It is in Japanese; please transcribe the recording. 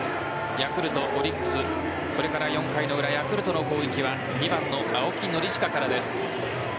ヤクルト・オリックスこれから４回の裏ヤクルトの攻撃は２番の青木宣親からです。